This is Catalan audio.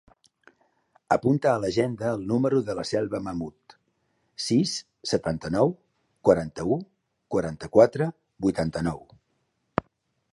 Apunta a l'agenda el número de la Selva Mahmood: sis, setanta-nou, quaranta-u, quaranta-quatre, vuitanta-nou.